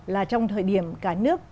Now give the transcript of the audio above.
là trong thời điểm cả nước